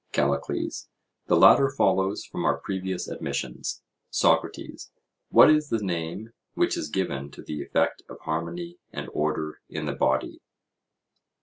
CALLICLES: The latter follows from our previous admissions. SOCRATES: What is the name which is given to the effect of harmony and order in the body?